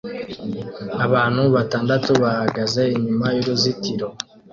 Abantu batandatu bahagaze inyuma y'uruzitiro